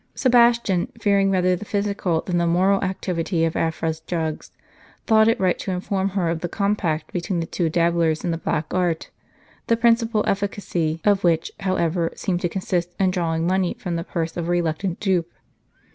Sebastian, fearing rather the physical, than the moral activity of Afra's drugs, thought it right to inform her of the compact between the two dabblers in the black art, the prin cipal ef&cacy of which, however, seemed to consist in drawing money from the purse of a reluctant dupe.